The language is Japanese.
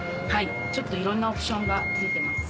ちょっといろんなオプションが付いてます。